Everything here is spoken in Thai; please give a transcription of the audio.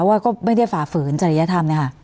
ว่าก็ไม่ได้ฝ่าฝืนจริยธรรมนะคะ